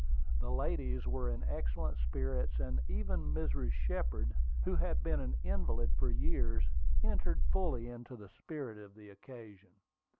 The ladies were in excellent spirits, and even Mrs. Shepard, who had been an invalid for years, entered fully into the spirit of the occasion.